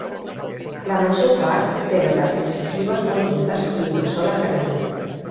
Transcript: La major part tenen les incisives molt juntes i una sola canina.